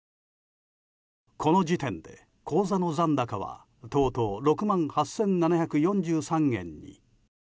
この時点で、口座の残高はとうとう６万８７４３円に。